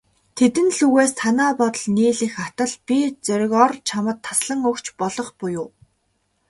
Тэдэн лүгээ санаа бодол нийлэх атал, би зоригоор чамд таслан өгч болох буюу.